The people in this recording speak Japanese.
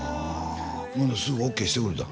ほんですぐＯＫしてくれたん？